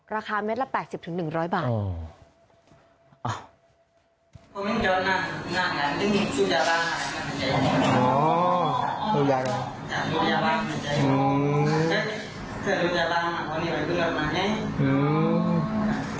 ราคาเม็ดละ๘๐๑๐๐บาท